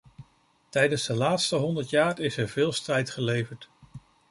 Tijdens de laatste honderd jaar is er veel strijd geleverd.